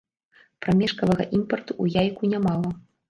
Прамежкавага імпарту ў яйку нямала.